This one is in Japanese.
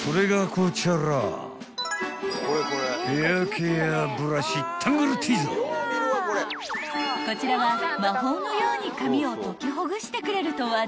［こちらは魔法のように髪をときほぐしてくれると話題］